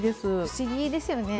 不思議ですよね。